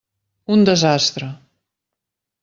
Un desastre.